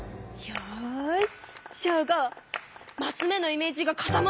よし。